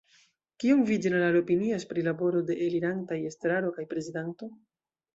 Kion vi ĝenerale opinias pri laboro de la elirantaj estraro kaj prezidanto?